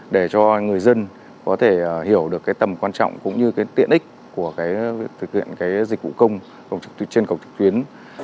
để cho người dân có thể hiểu được tầm quan trọng cũng như tiện ích của thực hiện dịch vụ công trên cổng trực tuyến